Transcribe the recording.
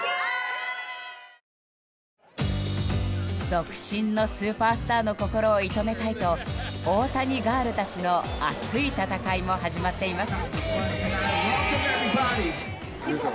独身のスーパースターの心を射止めたいと大谷ガールたちの熱い戦いも始まっています。